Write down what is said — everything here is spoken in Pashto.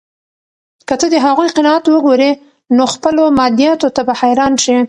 که ته د هغوی قناعت وګورې، نو خپلو مادیاتو ته به حیران شې.